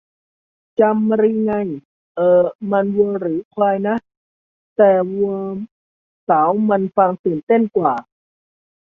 จามรี ไง เอ่อ มัน วัวหรือควายนะ แต่วัวสาวมันฟังตื่นเต้นกว่า